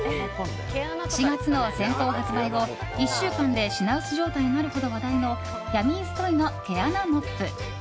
４月の先行発売後、１週間で品薄状態になるほど話題のヤミーズトイの毛穴モップ。